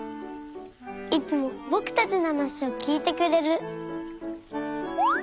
いつもぼくたちのはなしをきいてくれる。